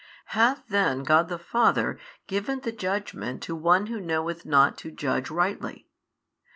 Hath then God the Father given the judgment to one who knoweth not to judge rightly?